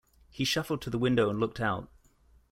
He shuffled to the window and looked out.